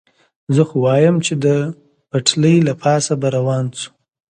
زه خو وایم، چې د پټلۍ له پاسه به روان شو.